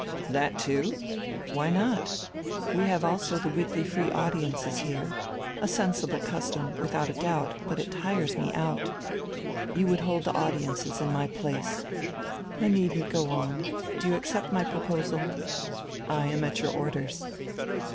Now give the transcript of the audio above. "That too?" "Why not? We have also the weekly free audiences here a sensible custom without a doubt, but it tires me out. You would hold the audiences in my place. I needn't go on. Do you accept my proposal?" "I am at your orders."